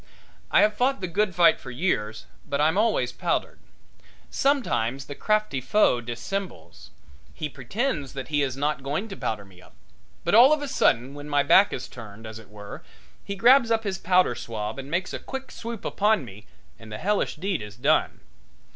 I have fought the good fight for years, but I'm always powdered. Sometimes the crafty foe dissembles. He pretends that he is not going to powder me up. But all of a sudden when my back is turned, as it were, he grabs up his powder swab and makes a quick swoop upon me and the hellish deed is done.